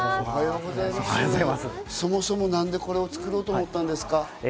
そもそも何でこれを作ろうと思ったんですか？